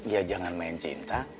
ya jangan main cinta